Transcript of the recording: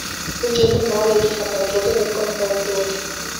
Бул жердин баары эки катар, жолдон өткөн кооптуу.